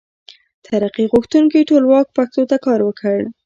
ترقي غوښتونکي ټولواک پښتو ته کار وکړ.